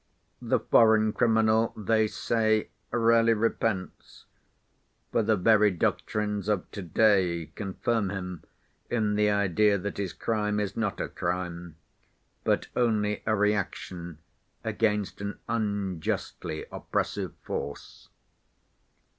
The foreign criminal, they say, rarely repents, for the very doctrines of to‐day confirm him in the idea that his crime is not a crime, but only a reaction against an unjustly oppressive force.